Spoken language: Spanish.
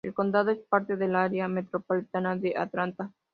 El condado es parte del área metropolitana de Atlanta.